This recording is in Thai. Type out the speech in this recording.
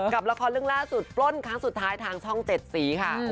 กับละครเรื่องล่าสุดปล้นครั้งสุดท้ายทางช่อง๗สีค่ะ